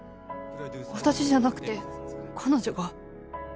私じゃなくて彼女が。